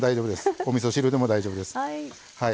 おみそ汁でも大丈夫です。